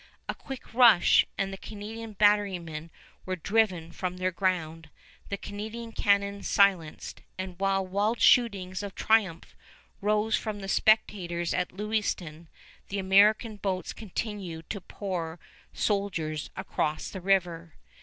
A quick rush, and the Canadian batterymen were driven from their ground, the Canadian cannon silenced, and while wild shoutings of triumph rose from the spectators at Lewiston, the American boats continued to pour soldiers across the river.